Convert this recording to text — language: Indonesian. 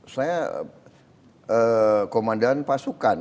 saya komandan pasukan